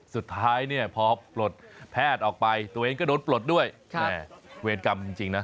สุดท้ายเนี่ยพอปลดแพทย์ออกไปตัวเองก็โดนปลดด้วยเวรกรรมจริงนะ